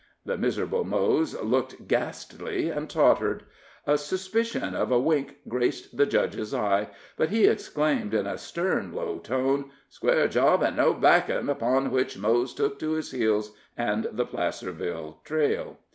The miserable Mose looked ghastly, and tottered. A suspicion of a wink graced the judge's eye, but he exclaimed in a stern, low tone: "Square job, an' no backin'," upon which Mose took to his heels and the Placerville trail.